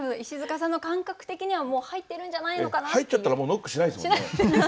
石塚さんの感覚的にはもう入ってるんじゃないのかなっていう。